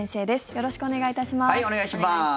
よろしくお願いします。